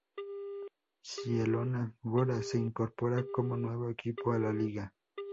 Zielona Góra se incorpora como nuevo equipo a la liga.